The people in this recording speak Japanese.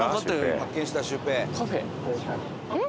「発見したシュウペイ」えっ？